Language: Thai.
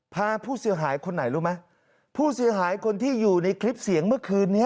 พาผู้เสียหายคนไหนรู้ไหมผู้เสียหายคนที่อยู่ในคลิปเสียงเมื่อคืนนี้